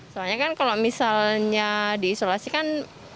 soalnya kan kalau misalnya di isolasi kan